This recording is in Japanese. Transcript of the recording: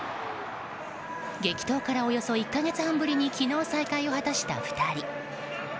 激闘からおよそ１か月半ぶりに昨日、再会を果たした２人。